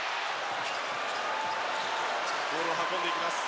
ボールを運んでいきます。